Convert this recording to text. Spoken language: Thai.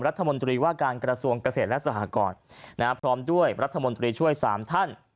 รัฐมนตรีว่าการกระทรวงเกษตรและสหกรพร้อมด้วยรัฐมนตรีช่วย๓ท่าน